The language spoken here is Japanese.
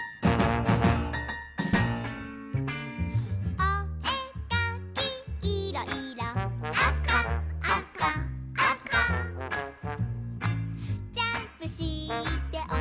「おえかきいろ・いろ」「あかあかあか」「ジャンプしておそとにぽーん！」